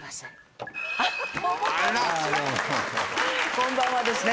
こんばんはですね。